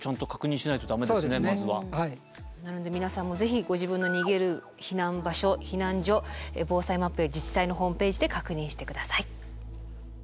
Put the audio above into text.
なので皆さんも是非ご自分の逃げる避難場所避難所防災マップや自治体のホームページで確認してください。